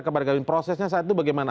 kepada kami prosesnya saat itu bagaimana